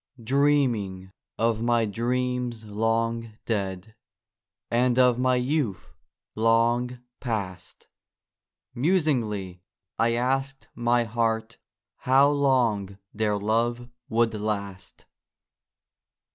Dreaming of my dreams long dead, And of my youth long past, Musingly I asked my heart How long their love would last.